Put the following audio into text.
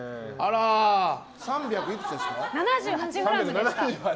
３７８ｇでした。